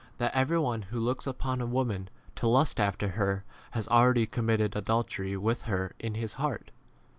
that every one who looks upon a woman to lust after her has already committed adultery with 29 her in his heart.